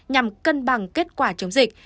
nhằm cân bằng kết quả chống dịch